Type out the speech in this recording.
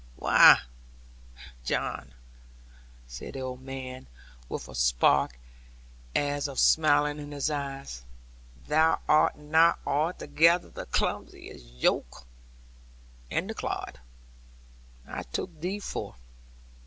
'Why, John,' said the old man, with a spark, as of smiling in his eyes; 'thou art not altogether the clumsy yokel, and the clod, I took thee for.'